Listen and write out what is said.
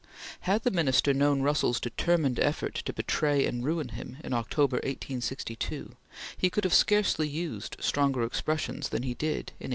Had the Minister known Russell's determined effort to betray and ruin him in October, 1862, he could have scarcely used stronger expressions than he did in 1863.